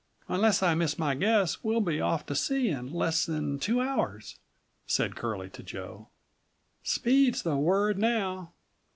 Unless I miss my guess we'll be off to sea in less than two hours," said Curlie to Joe. "Speed's the word now.